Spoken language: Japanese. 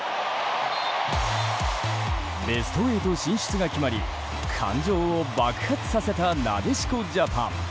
ベスト８進出が決まり感情を爆発させたなでしこジャパン。